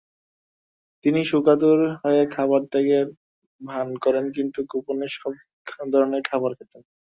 তিনি শোকাতুর হয়ে খাবার ত্যাগের ভান করেন কিন্তু গোপনে সব ধরনের খাবার খেতেন।